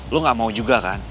lo gak mau juga kan